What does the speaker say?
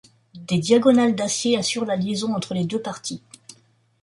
Des diagonales d’acier assurent la liaison entre les deux parties.